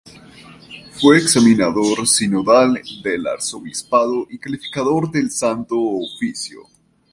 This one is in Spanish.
Fue examinador sinodal del arzobispado y calificador del Santo Oficio.